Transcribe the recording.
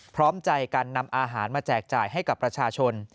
พร้อมใจกันนำอาหารมาแจกจ่ายให้กับประชาชน